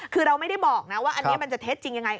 คือเราไม่ได้บอกนะว่าอันนี้มันจะเท็จจริงยังไง